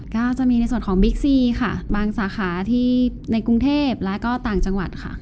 ก็จะมีในส่วนของบิ๊กซีค่ะบางสาขาที่ในกรุงเทพและก็ต่างจังหวัดค่ะ